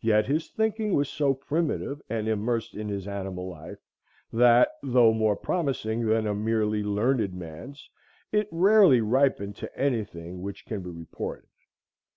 Yet his thinking was so primitive and immersed in his animal life, that, though more promising than a merely learned man's, it rarely ripened to any thing which can be reported.